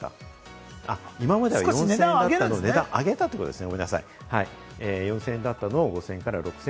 今までは４０００円だったものが上げたということですね。